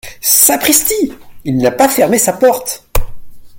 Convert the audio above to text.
Sapristi ! il n’a pas fermé sa porte.